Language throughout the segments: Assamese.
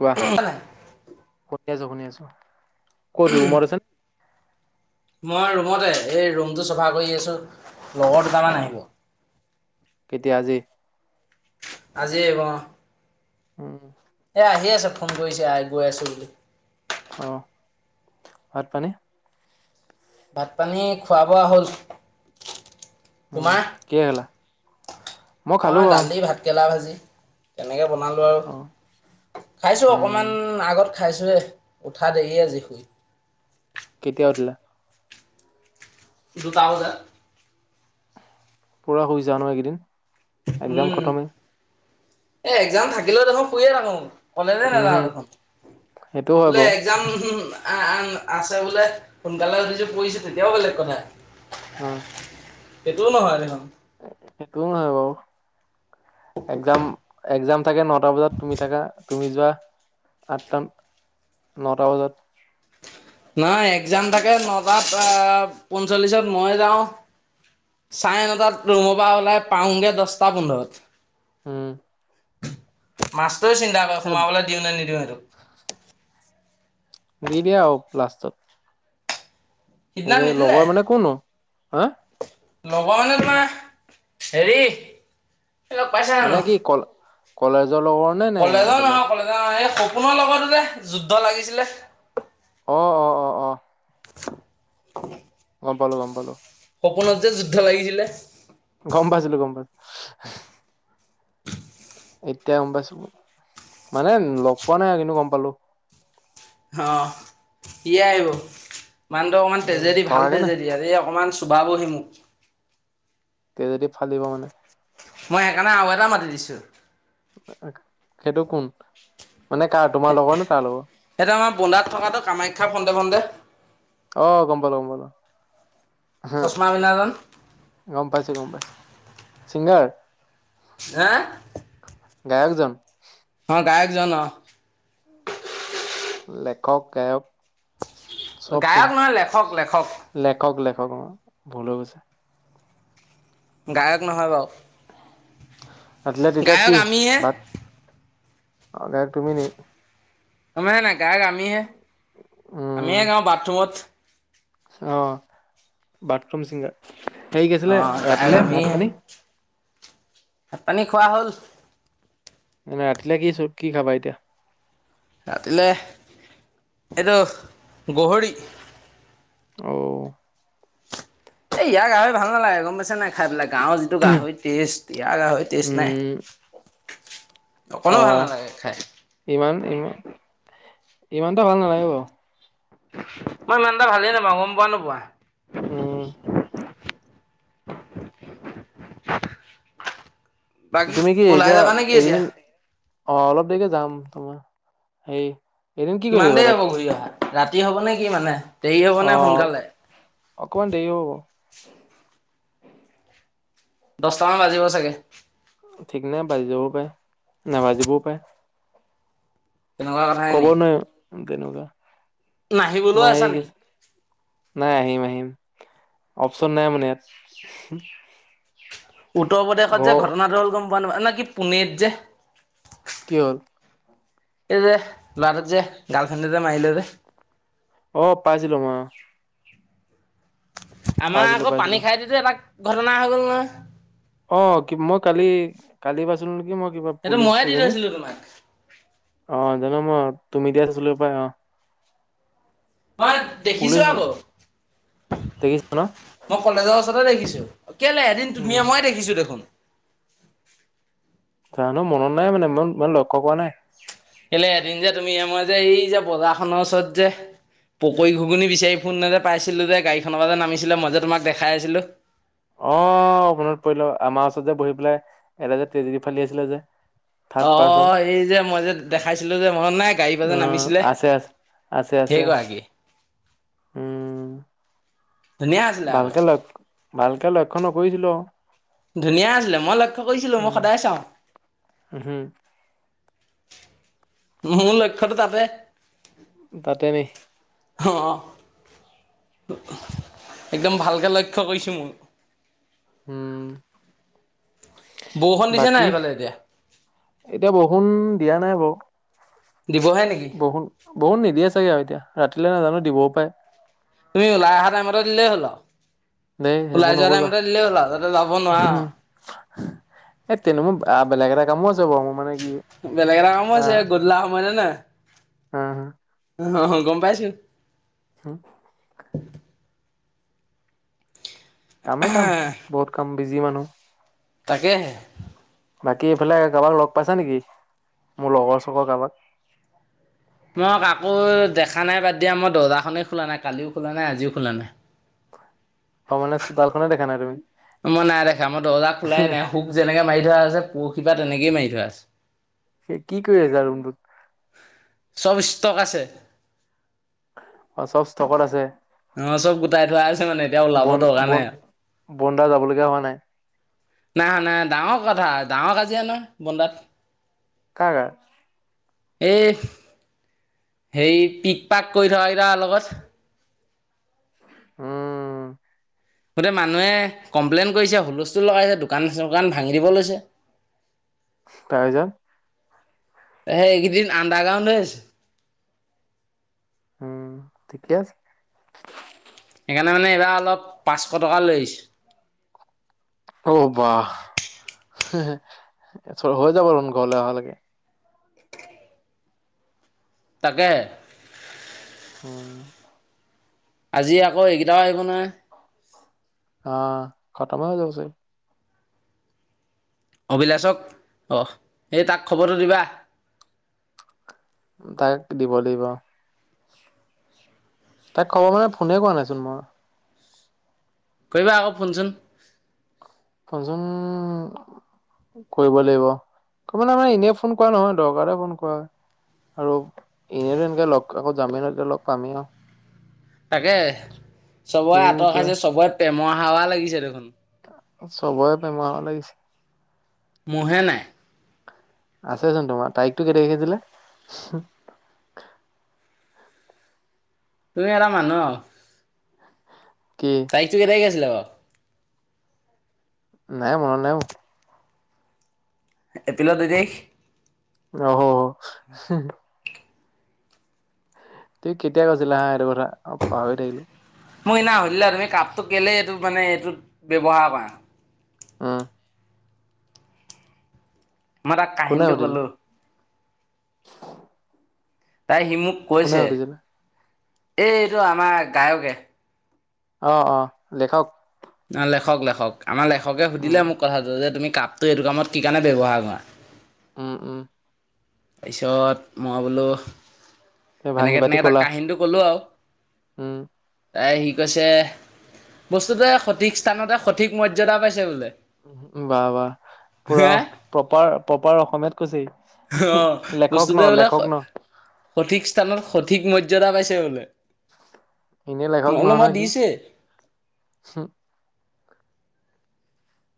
কোৱা শুনি আছো শুনি আছো ক'ত ৰুমত আছা? নে? মই ৰুমতে এই ৰুমটো চাফা কৰি আছো লগৰ অ দুটামান আহিব। কেতিয়া আজি? আজি আহিব অঁ। উম। এয়া আহি আছে, ফোন কৰিছে আ গৈ আছো বুলি। অ, ভাত পানী? ভাত পানী খোৱা বোৱা হ'ল। উম তোমাৰ? কিহে খালা? খালো মই বাৰু দালি দি ভাতকেৰেলা ভাজি। তেনেকে বনালো আৰু। অ খাইছো, উম অকমান আগত খাইছোয়ে। উঠা দেৰি আজি শুই। কেতিয়া উঠিলা? দুটা বজাত। পুৰা শুইছা আৰু ন এইকেইদিন? একজাম উম, খতমেই এ এক্সজাম থাকিলেও দেখোন শুইয়ে থাকো। কলেজে উম নাযাওঁ হম দেখোন সেইটোও হয় বোলে বাৰু এক্সাম আছে বোলে। সোনকালে বোলে পৰিছে তেতিয়াও বেলেগ কথা। অ। সেইটোও নহয় দেখোন। সেইটোও নহয় বাৰু। এক্সাম, এক্সাম থাকে নটা বজাত তুমি থাকা, তুমি যোৱা, আঠটা নটা বজাত। নহয়, এক্সাম থাকে নটাত পঞ্চল্লিশত মই যাওঁ চাৰে নটাত, ৰুমৰ ওলাই পাওঁগৈ দহটা পোন্ধৰত। উম। মাষ্টৰে চিন্তা কৰে এ সোমাবলৈ দিওঁ নে নিদিওঁ এইটোক। দি দিয়ে আৰু লাষ্টত। সেই সেইদিনা নিদিলে লগৰ মানে কোননো হা লগৰ মানে তোমাৰ হেৰি, এই লগ পাইছা মানে জানো? কি কল কলেজৰ লগৰ নে নে কলেজৰ বেলেগ নহয়, কলেজৰ নহয়, এই সপোনৰ লগৰতো যে যুদ্ধ লাগিছিলে। অ অ। অ অ গম পালো, গম পালো। সপোনত যে যুদ্ধ লাগিছিলে। গম পাইছিলো, গম পাইছিলো। এতিয় গম পাইছো। মানে লগ পোৱা নাই আৰু, কিন্তু গম পালো। অ, সিয়েই আহিব। মানুহটো অকণমান উম তেজেদি ভাল থকাকে নাই তেজেদি, এই অকমান - চুবাবহি মোক। তেজেদি ফালিব মানে। মই সেইকাৰণে আৰু এটা মাতি দিছোঁ। সেইটো কোন? মানে কাৰ তোমাৰ লগৰ নে তাৰ লগৰ? সেইটো আমাৰ বোন্দাত থকাটো, কামাখ্যা ফন্দে ফন্দে। আহ, গম পালো, গম পালো। হা চশমা পিন্ধাজন গম পাইছো, গম পাইছো। ছিংগাৰ? হে? গায়কজন? অ, গায়ক জন অ। লেখক, গায়ক চব চোন। গায়ক নহয় লেখক লেখক লেখক, লেখক অ, ভুল হৈ গৈছো। গায়ক নহয় বাও। ৰাতিলে তেতিয়া কি? ভাত অ, অৰ্ডাৰ তুমি নি? গম পাইছ নাই গায়ক আমিহে, উম আমিহে গাও বাথৰুমত। অ, বাথৰুম চিংগাৰ। হেৰি কি অ আছিলে, গায়ক ৰাতিলে ভাত আমিহে পানী? ভাত পানী খোৱা হ'ল। এনেই ৰাতিলে কি চ কি খাবা এতিয়া? ৰাতিলে এইটো গহৰি। অ'। এ' এইয়াৰ গাহৰি ভাল নালাগে গম পাইছে নাই খাই পেলাই। গাঁৱৰ যিটো গাহৰি টেষ্ট ইয়াৰ গাহৰি টেষ্ট নাই। উম অ অকণো ভাল নালাগে খাই। ইমান ইমান ইমানটা ভাল নালাগে বাৰু। মই ইমান এটা ভালেই নাপাওঁ গম পোৱা নোপোৱা। উম। [unintelligible] বাকী তুমি কি ওলাই এতিয়া যাবা নে কি এতিয়া এইকেইদিন, অ' অলপ দেৰিকে যাম। তোমাৰ সেই - কিমান দেৰি হ'ব ঘূৰি অহা, ৰাতি হব নে কি মানে - অ', অকমান দেৰি হব বাৰু। দহটামান বাজিব চাগে। ঠিক নাই বাজি যাবও পাৰে। নেবাজিবও পাৰে। তেনেকা কথা। ক'ব নোৱাৰিম তেনেকুৱা, নাহিবলৈও তোমাৰ আছা নি সেই - নাই আহিম আহিম, অপচন নাই মানে ইয়াত। উত্তৰ প্ৰদেশত যে ঘৰ ঘটনাটো হ'ল গম পোৱা নোপোৱা? না কি পুনেত যে। কি হ'ল? এই যে ল'ৰাটোক যে গাৰ্লফ্ৰেণ্ড যে মাৰিলে যে। অ', পাইছিলো মই অ'। আমাৰ পাইছিলো আক পানী পাইছিলো খাই দিওতেই এটা ঘটনা হৈ গ'ল নহয়। অ' মই কালি কালি পাইছিলো নেকি মই কিবা সেইটো পুলিচ ময়ে দি এজনী। থৈছিলো তোমাক অ' জানো মই তুমি দিয়া চাইছিলো হপাই অ'। মই দেখিছো পুলিচ আক। দেখিছা ন মই কলেজৰ ওচৰতে দেখিছো, কেলে এদিন তুমিয়ে উম মই দেখিছো দেখোন। জানো মনত নাই মানে মই মানে লক্ষ্য কৰা নাই। কেলে এদিন যে তুমি আমাৰ যে এই যে বজাৰখনৰ ওচৰত যে পকৰি, ঘুগুনি বিচাৰি ফোৰোতে যে পাইছিলোঁ দে গাড়ীখনৰ পৰাতে নামিছিলে মই যে তোমাক দেখাই আছিলোঁ। অ 'মনত পৰিল আমাৰ ওচৰত যে বহি পেলাই এটা যে তেজেদী ফালি আছিলে যে অ থাৰ্ড পাৰ্চন, এই যে মই যে দেখাইছিলো যে মনত নাই গাড়ী পৰা যে নামিছিলে অ' আছে আছে। আছে আছে, সেইগৰাকী উম। ধুনীয়া আছিলে আকৌ ভালকে লক্ষ, ভালকে লক্ষ্য নকৰিছিলো আৰু। ধুনীয়া আছিলে, মই লক্ষ্য কৰিছিলো মই উম, সদায় চাওঁ। উহু, মোৰ লক্ষ্যটো তাতে বা দা ৱে হ অ', একদম ভালকে লক্ষ্য কৰিছোঁ মইও। উম, বৰষুণ দিছে নাই বাকী? এইফালে এতিয়া এতিয়া বৰষুণ দিয়া নাই বাৰু। দিবহে নেকি? [unintelligible] বৰষূণ নিদিয়ে চাগে আৰু এতিয়া ৰাতিলে নাজানো দিবও পাৰে। তুমি ওলাই অহা টাইমতে দিলেই হ'ল আও, দেই ওলাই সেইবোৰ যোৱা টাইমতে দিলেই [unintelligible] যাতে ল'ব নোৱাৰা। এ' তেনে মোৰ আ বেলেগ এটা কামো যাব মোৰ মানে কি বেলেগ এটা কামো আছে গধলা সময় [unintelligible] উম হুম। [unintelligible] গম পাইছোঁ। [unintelligible] কামেই কাম, বহুত কাম বিজি মানুহ। তাকেহে। বাকী এইফালে কাৰোবাক লগ পাইছা নেকি? মোৰ লগৰ চগৰ কাৰোবাক? মই কাকো দেখা নাই, বাদ দিয়া মই দৰজাখনেই খোলা নাই, কালিও খোলা নাই, আজিও খোলা নাই। অ' মানে চোতালখনে দেখা নাই তুমি? মই নাই দেখা, মই দৰ্জা খোলাই নাই, শুক যেনেকে মাৰি থোৱা আছে, পৰহি পৰা তেনেকেই মাৰি থোৱা আছে। হে কি কৰি আছা ৰুমটোত? চব ষ্টক আছে। অ', চব ষ্টকত আছে। অ', চব গোটাই থোৱা আছে মানে এতিয়া ওলাব বন দৰকাৰ বন নাই আৰু। বন্দা যাবলগীয়া হোৱা নাই নাই নাই ডাঙৰ কথা, ডাঙৰ কাজিয়া নহয় বন্দাত। কাৰ? এই, হেৰি পিক-পাক কৰি থকা এইকেইটাৰ লগত। উম। গোটেই মানুহে কমপ্লেইন কৰিছে, হুলস্থুল লগাইছে, দোকান-চোকান ভাঙি দিব লৈছে। তাৰ পিছত? সেই এইকেইদিন আণ্ডাৰ গ্ৰাউণ্ড হৈ আছোঁ। উম, ঠিকে আছে। সেইকাৰণে মানে এইবাৰ অলপ, পাঁচশ টকা লৈ আহিছ অ', বাহ হে হে [unintelligible] হৈ যাবচোন ঘৰলৈ অহালৈকে। তাকে। উম। আজি আকৌ এইকেইটাও আহিব নহয়। অ', খতমেই হৈ গৈছে। অভিলাছক, অঁ, এই তাক খবৰটো দিবা। তাক দিব লাগিব অ'। তাক খবৰ মানে, ফোনেই কৰা নাইচোন মই। কৰিবা আকৌ ফোনচোন। ফোনচোন কৰিব লাগিব, ত, মানে আমাৰ এনেই ফোন কৰা নহয়, দৰকাৰতহে ফোন কৰা হয়। আৰু এনেইটো, এনেকে লগ আকৌ যামেই ন' এতিয়া লগ পামেই আউ। তাকে, চবয়ে সিও আঁতৰ এতিয়া খাইছে, চবয়ে প্ৰেমৰ হাৱা লাগিছে দেখোন। চবয়ে প্ৰেমৰ হাৱা লাগিছে। মোৰহে নাই। আছেচোন তোমাৰ, তাৰিখটো কে তাইখ আছিলে। তুমি এটা মানুহ আউ। কি? তাৰিখটো কে তাইখ আছিল বাউ। নাই, মনত নাই মো। এপ্ৰিলৰ দুই তাৰিখ। অ'হ। তুমি কেতিয়া কৈছিলা এইটো কথা, অ', পাহৰি থাকিলোঁ। মোক সেইদিনা সুধিলা, তুমি কাপটো কেলেই এইটো মানে এইটো ব্যৱহাৰ কৰা। অ মই তাক কোনে কাহিনীটো সুধিলে ক'লো। তাই সি মোক কোনে কৈছে, সুধিছিলে এই এইটো আমাৰ গায়কে। অ, অ', দে খাওঁক। অ লেখক, লেখক আমাৰ লেখকে উম সুধিলে মোক কথাটো, যে তুমি কাপটো এইটো কামত কি কাৰণে ব্যৱহাৰ কৰা। উম, উম। পিছত মই বোলোহ তো ভাঙি পাতি ক'লা? কিন্তু ক'লো আউ। উম। তাই, সি কৈছে বস্তুটোয়ে সঠিক স্থানতে, সঠিক মৰ্যাদা পাইছে বোলে। উম, বা, বাহ পুৰা হে প্ৰপাৰ, প্ৰপাৰ অসমীয়াত কৈছে ই। অ', বস্তুটোৱে বোলে, সঠিক স্থানত, সঠিক মৰ্যদা পাইছে বোলে। মানে মা দিছে। হো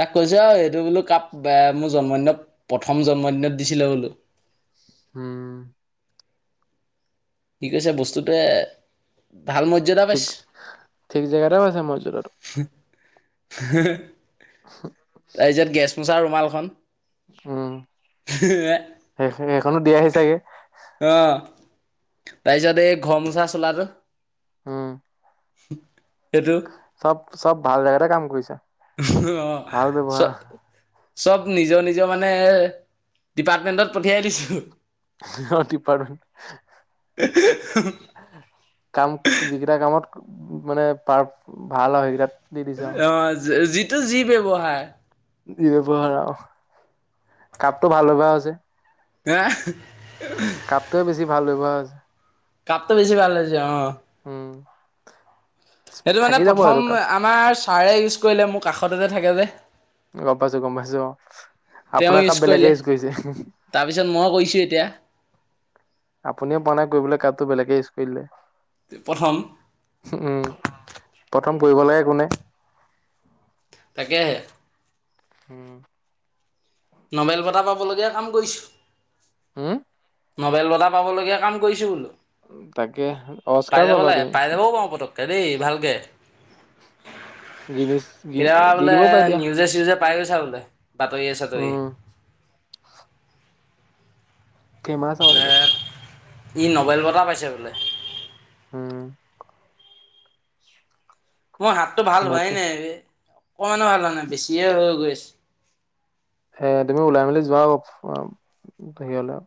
তাক কৈছোঁ আউ এইটো বোলো কাপ, এ মোৰ জন্মদিনত প্ৰথম জন্মদিনত দিছিলে বোলো। উম। কি কৈছে বস্তুটোৱে, ভাল ম ঠিক, ঠিক জেগাতে পাইছে মৰ্যদাটো। তাৰপিছত গেছ মোচা ৰুমালখন। উম, অ সেই, সেইখনো দিয়া হি চাগে। অ তাৰপিছত এই ঘৰ মুচা চোলাটো। উম। সেইটো। চব, চব ভাল জেগাতে কাম কৰিছে। অ', চ চব নিজৰ, নিজৰ মানে, ডিপাৰ্টমেন্টত পঠিয়াই দিছো। অ', ডিপাৰ্টমেন্ট। [unintelligible] কাম, যিকেইটা কামত মানে, পাৰ, ভাল হয়, সেইকেইটাত দি দিছে আৰু অ', যিটো যি ব্যৱহাৰ। ব্যৱহাৰ আৰু, কাপটো ভাল হ'ব হৈছে। আ হা। কাপটোৱে বেছি ভাল লগা হৈছে। কাপটো বেছি ভাল লাগিছে অ'। উম। সেইটো মানে থাকি যাব প্ৰথম, এইটো কাপ আমাৰ ছাৰে ইউজ কৰিলে, মোৰ কাষতে যে থাকে যে। গম পাইছো, গম পাইছো, অ' তেওঁ আপোনাৰ কাপ বেলেগে কৰিলে। ইউজ কৰিছে। তাৰপিছত মই কৰিছোঁ এতিয়া। আপুনিও পোৱা নাই কৰিবলৈ, কাপটো বেলেগে ইউজ কৰিলে। প্ৰথম। উম, প্ৰথম পঢ়িব লাগে কোনে তাকেহে। উম। নবেল বঁটা পাবলগীয়া কাম কৰিছোঁ। হম্? নবেল বঁটা পাবলগীয়া কাম কৰিছোঁ বোলো। তাকে পাই অস্কাৰ যাব পাবা লাগে, তুমি পাই যাবও পাৰোঁ পতককে দেই ভালকে। [inaudible] গিনি গিন কেতিয়াবা দি বোলে দিবও পাই দিয়া নিউজে চিউজে পাই গৈছা বোলে বাতৰিয়ে চাতৰিয়ে উম ফেমাচ হব লাগিব। বোলে ই নবেল বটা পাইছে বোলে। উম। মোৰ হাতটো ভাল হোৱাই বাকী নাই অকমানো ভাল হোৱা নাই বেছিয়ে হৈ গৈ আছে। সে তুমি ওলাই মেলি যোৱা হেৰি হলে।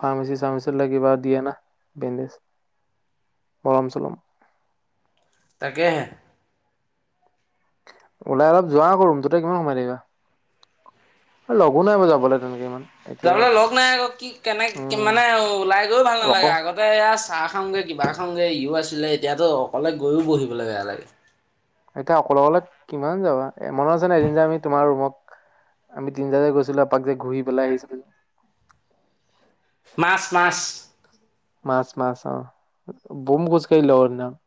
ফাৰ্মাচি চাৰ্মাচি কিবা দিয়ে না বেণ্ডেজ মলম চলম। তাকেহে। ওলাই অলপ যোৱাকৌ ৰূমটোতে কিমান সোমাই থাকিবা। লগো নাই মই যাবলৈ তেনেকে ইমান। এতিয়া যাবলে লগ নাই আকৌ কি কেনেক উম, মানে ওলাই গৈও ভাল নালাগে অকল আগ ততে এয়া চাহ খংগে কিবা খংগে ইও আছিলে এতিয়াতো অকলে গৈও বহিবলৈ বেয়া লাগে। এতিয়া অকলে অকলে কিমান যাবা, মনত আছে নাই এদিন যে আমি তোমাৰ ৰুমত আমি তিনিটাে গৈছিলো আপাক যে ঘূৰি পেলাই আহিছিলো। মাছ মাছ মাছ মাছ অ' বুম খোজ কাঢ়িলোঁ ক সেইদিনা খন।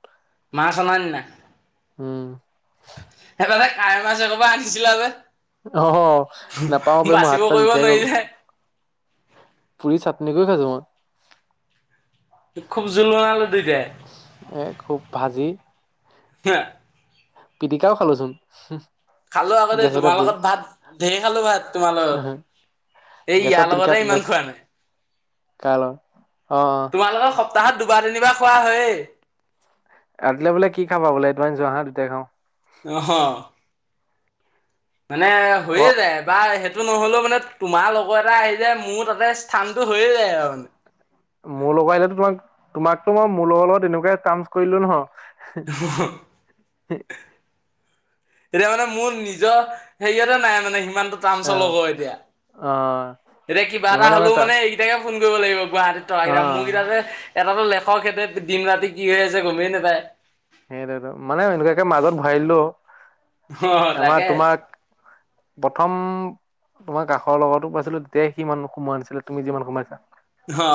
মাছ অনাৰ দিনা উম। সেইবা কাই মাছ এডপা আনিছিলা যে। অ, নাপাওঁ বে মোৰ হাত বাচিব চাত কৰিব বিষাই গ'ল নোৱাৰিলে পুৰি চাটনি কৰি খাইছো মই খুব জুলনালো দুইতাই এ' খুব ভাজি [unintelligible] পিটিকাও খালো চোন খালো আকৌ দেই তোমাৰ লগত ভাত ঢেৰ খালো ভাত তোমাৰ লগত এই গেছৰ ইয়াৰ লগতে ইমান খোৱা নাই। কাৰ লগত অ'অ' তোমালোকৰ সপ্তাহত দুবাৰ তিনিবাৰ খোৱা হয়েই। ৰাতিলে বোলে কি খাব বোলে এদমান যোৱা হাঁ দুটাই খাওঁ অহ মানে অ হৈয়ে যায় এবাৰ হে সেটো নহ'লেও মানে তোমাৰ লগৰ এটা আহি যায় মোৰ তাতে স্থানটো হৈয়ে যায় আৰু মানে। মোৰ লগত আহিলেতো তোমাক তোমাকতো মই মোৰ লগৰ লগত তেনেকুৱাই তামস কৰিলোঁ নহয় [unintelligible] এতিয়া মানে মোৰ নিজৰ হেৰিয়তে নাই মানে সিমানটো টান অ চলক এতিয়া অ এতিয়া কিবা এটা ইমানে হ'লেও তাৰ মানে এইকেইটাকে ফোন কৰিব লাগিব গুৱাহাটীত অ থকাকেইটা মোৰকেইটা যে এটাতো লেখক সেইটোৱে দিন ৰাতি কি হৈ আছে গমেই নেপায়। সেইটোৱে ত মানে এনেকুৱাকে মাজত ভৰাই দিলেও অ এমাহ তাকে তোমাৰ প্ৰথম তোমাৰ কাষৰ লগতো পাইছিলো তেতিয়া সিমান সোমোৱা নাছিলে তুমি যিমান সোমাইছা হ